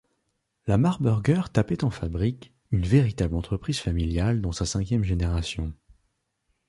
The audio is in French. La Marburger Tapetenfabrik, une véritable entreprise familiale dans sa cinquième génération.